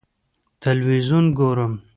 ه تلویزیون ګورم.